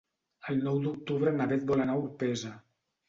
El nou d'octubre na Beth vol anar a Orpesa.